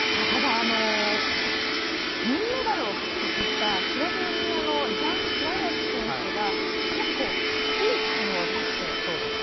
ただ、銀メダルを獲得したスロベニアのジャン・クラニェツ選手が結構いいタイムを出して。